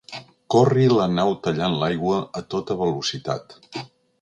Corri la nau tallant l'aigua a tota velocitat.